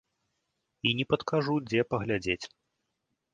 І не падкажу, дзе паглядзець.